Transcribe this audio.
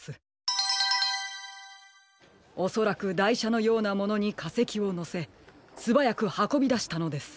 おそらくだいしゃのようなものにかせきをのせすばやくはこびだしたのです。